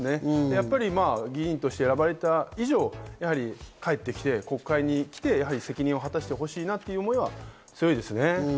やっぱり議員として選ばれた以上、帰ってきて国会に来て、責任を果たしてほしいなという思いは強いですね。